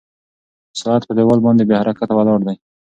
ساعت په دیوال باندې بې حرکته ولاړ دی.